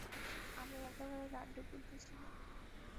আমি একেবারে লাড্ডুগুড্ডু ছিলাম।